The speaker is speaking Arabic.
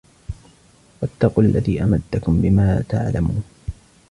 وَاتَّقُوا الَّذِي أَمَدَّكُمْ بِمَا تَعْلَمُونَ